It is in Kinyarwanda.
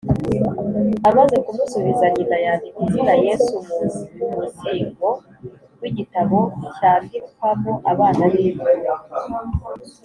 Amaze kumusubiza nyina, yandika izina “Yesu” mu muzingo w’igitabo cyandikwamo abana b’imfura